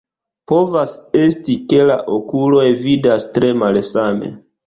Povas esti, ke la okuloj vidas tre malsame.